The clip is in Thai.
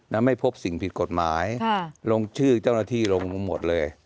แล้วไม่พบสิ่งผิดกฎหมายลงชื่อเจ้าหน้าที่ลงหมดเลย